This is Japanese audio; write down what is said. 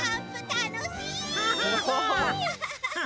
たのしい！